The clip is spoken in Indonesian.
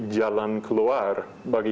jalan keluar bagi